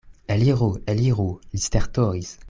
Eliru, eliru, li stertoris.